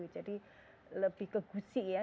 jadi lebih kegusi ya